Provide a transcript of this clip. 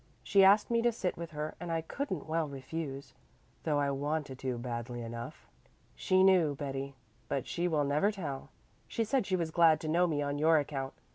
She asked me to sit with her and I couldn't well refuse, though I wanted to badly enough. She knew, Betty, but she will never tell. She said she was glad to know me on your account.